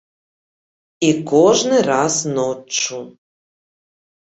І кожны раз ноччу.